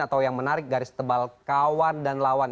atau yang menarik garis tebal kawan dan lawan